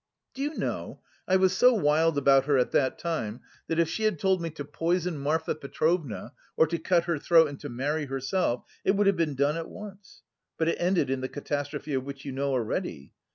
Do you know, I was so wild about her at that time that if she had told me to poison Marfa Petrovna or to cut her throat and to marry herself, it would have been done at once! But it ended in the catastrophe of which you know already.